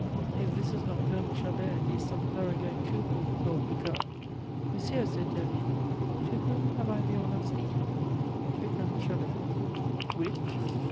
"If this is not Colonel Chabert, he is some thorough going trooper!" thought Boucard. "Monsieur," said Derville, "to whom have I the honor of speaking?" "To Colonel Chabert." "Which?"